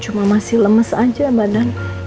cuma masih lemes aja badan